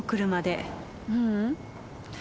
ううん。